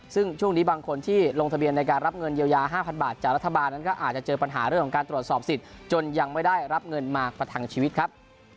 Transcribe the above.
ซึ่งช่วงนี้บางคนที่ลงทะเบียนในการรับเงินเยียวยา๕๐๐บาทจากรัฐบาลนั้นก็อาจจะเจอปัญหาเรื่องของการตรวจสอบสิทธิ์จนยังไม่ได้รับเงินมาประทังชีวิตครับ